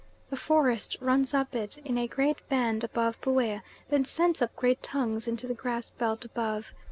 The forest runs up it in a great band above Buea, then sends up great tongues into the grass belt above.